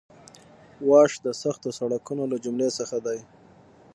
واش د سختو سړکونو له جملې څخه دی